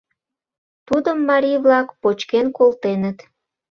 Тудым марий-влак почкен колтеныт.